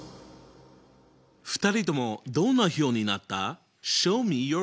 ２人ともどんな表になった？